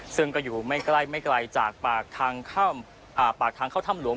ซึ่งก็อยู่ไม่ไกลจากปากทางเข้าถ้ำหลวง